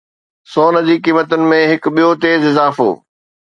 سون جي قيمتن ۾ هڪ ٻيو تيز اضافو